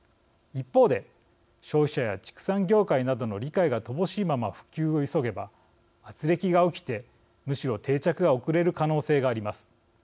一方で、消費者や畜産業界などの理解が乏しいまま普及を急げばあつれきが起きてむしろ定着が遅れる可能性があります。